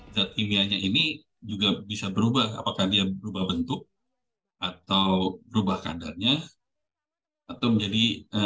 zat kimianya ini juga bisa berubah apakah dia berubah bentuk atau berubah kadarnya atau menjadi